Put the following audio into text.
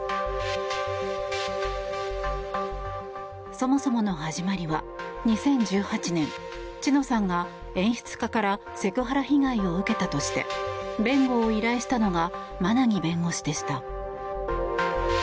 そもそもの始まりは２０１８年知乃さんが演出家からセクハラ被害を受けたとして弁護を依頼したのが馬奈木弁護士でした。